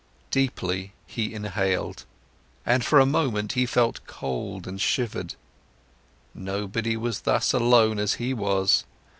Deeply, he inhaled, and for a moment, he felt cold and shivered. Nobody was thus alone as he was.